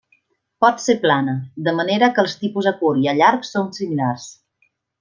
Pot ser plana, de manera que els tipus a curt i a llarg són similars.